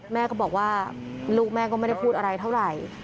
แม่ก็บอกว่าลูกแม่ก็ไม่ได้พูดอะไรเท่าไหร่